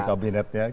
kabinetnya kita dukung